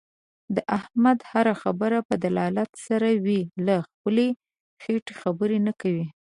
د احمد هر خبره په دلالت سره وي. له خپلې خېټې خبرې نه کوي.